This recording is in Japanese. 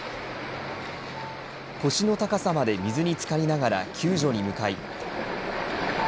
腰の高さまで水につかりながら救助に向かい。